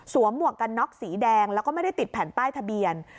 หมวกกันน็อกสีแดงแล้วก็ไม่ได้ติดแผ่นป้ายทะเบียน